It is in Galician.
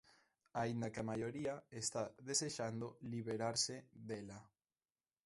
Aínda que a maioría está desexando liberarse dela.